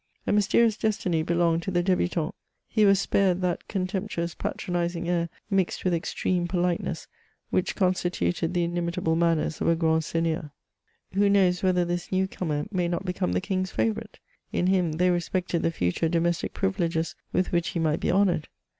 A mysterious destiny belonged to the d^bu font; he was spared that contemptuous, patronizing air, mixed with extreme politeness, which constituted the inimit able manners of a grand seigneur. Who knows whether this CHATEAUBRIAND. 171 new comer may not become the king's favourite ? In him they respected the fiiture domestic privileges with which h^ might be honoured!